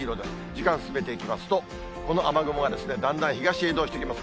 時間を進めていきますと、この雨雲がですね、だんだん東へ移動していきます。